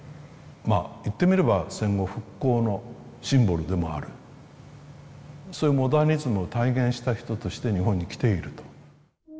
まあ言ってみれば戦後復興のシンボルでもあるそういうモダニズムを体現した人として日本に来ていると。